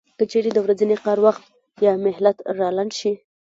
که چېرې د ورځني کار وخت یا مهلت را لنډ شي